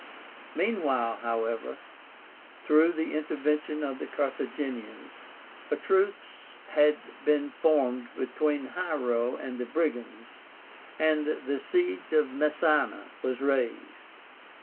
Meanwhile, however, through the intervention of the Carthaginians, a truce had been formed between Hiero and the brigands, and the siege of Messána was raised.